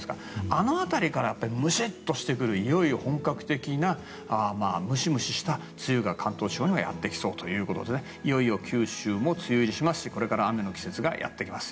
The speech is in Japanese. あの辺りからムシッとしてくる本格的なムシムシした季節が関東地方にやってきそうということでいよいよ九州も梅雨入りしますしこれから雨の季節がやってきます。